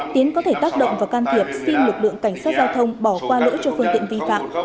tiến có thể tác động và can thiệp xin lực lượng cảnh sát giao thông bỏ qua lỗi cho phương tiện vi phạm